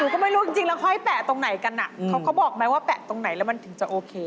เขาก็บอกไหมว่าแปะตรงไหนแล้วมันถึงจะโอเค